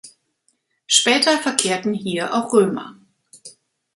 Später verkehrten hier auch Römer.